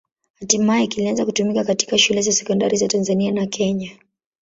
Hatimaye kilianza kutumika katika shule za sekondari za Tanzania na Kenya.